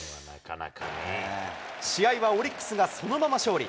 試合はオリックスがそのまま勝利。